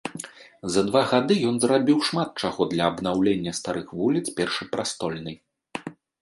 За два гады ён зрабіў шмат чаго для абнаўлення старых вуліц першапрастольнай.